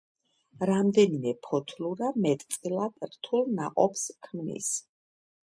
რამდენიმე ფოთლურა მეტწილად რთულ ნაყოფს ქმნის.